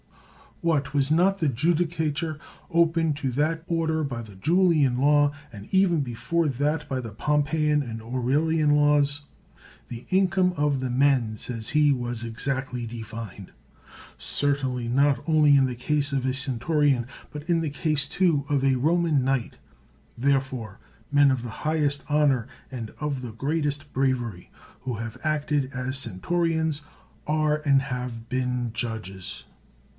What ! was not the judicature open to that order by the Julian Law, and even before that by the Pompeian and Aurelian Laws? The income of the men, says he, was exactly defined. Certainly, not only in the case of a centurion, 157 ^^ THE WORLD'S FAMOUS ORATIONS but in the case, too, of a Roman knight. There fore, men of the highest honor and of the greatest bravery, who have acted as centurions, are and have been judges.